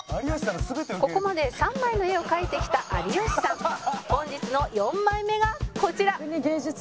「ここまで３枚の絵を描いてきた有吉さん」「本日の４枚目がこちら」